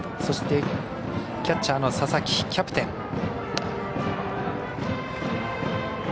そして、キャッチャーの佐々木キャプテン。